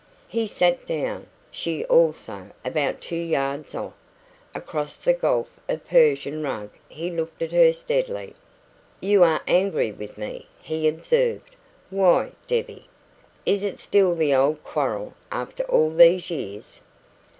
He sat down; she also about two yards off. Across the gulf of Persian rug he looked at her steadily. "You are angry with me," he observed. "Why, Debbie? Is it still the old quarrel after all these years?"